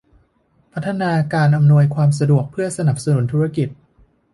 พัฒนาการอำนวยความสะดวกเพื่อสนับสนุนธุรกิจ